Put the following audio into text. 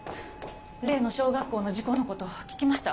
例の小学校の事故のこと聞きました？